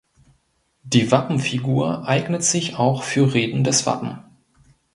Die Wappenfigur eignet sich auch für redendes Wappen.